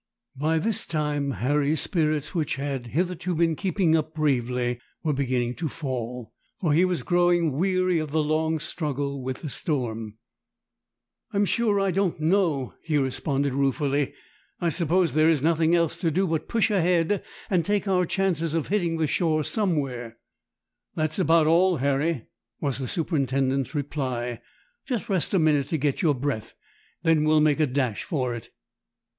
By this time Harry's spirits, which had hitherto been keeping up bravely, were beginning to fall, for he was growing weary of the long struggle with the storm. "I'm sure I don't know," he responded ruefully. "I suppose there is nothing else to do but to push ahead and take our chances of hitting the shore somewhere." "That's about all, Harry," was the superintendent's reply. "Just rest a minute to get your breath, and then we'll make a dash for it."